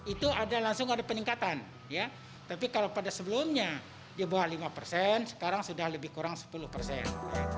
itu ada langsung ada peningkatan tapi kalau pada sebelumnya di bawah lima persen sekarang sudah lebih kurang sepuluh persen